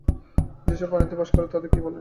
যেসব প্রাণী পানিতে বাস করে তাদের কী বলে?